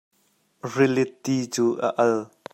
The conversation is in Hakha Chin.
Rili ti cu a al.